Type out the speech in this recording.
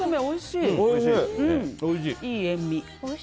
いい塩み。